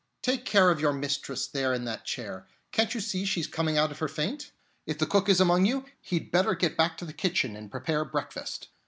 "Take care of your mistress there in that chair. Can't you see she's coming out of her faint? If the cook is among you, he'd better get back to the kitchen and prepare breakfast.